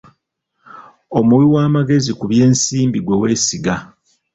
Omuwi w'amagezi ku by'ensimbi gwe weesiga.